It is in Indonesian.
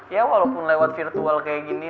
ya walaupun lewat virtual kayak gini